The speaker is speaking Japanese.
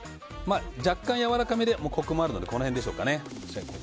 若干やわらかめでコクもあるのでこの辺でしょうかね。